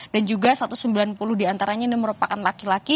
dan juga satu ratus sembilan puluh diantaranya ini merupakan laki laki